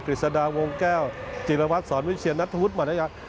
กฤษฎาวงแก้วจีลวักษณ์สอนวิเชียร์นัทฟุตมัณยักษ์